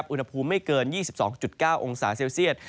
อุณหภูมิไม่เกิน๒๒๙องศาเซลเซียต